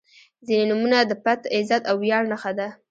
• ځینې نومونه د پت، عزت او ویاړ نښه ده.